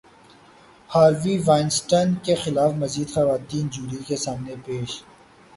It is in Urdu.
ہاروی وائنسٹن کے خلاف مزید خواتین جیوری کے سامنے پیش